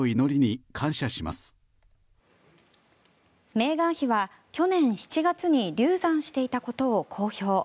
メーガン妃は去年７月に流産していたことを公表。